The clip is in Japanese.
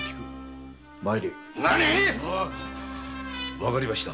わかりました。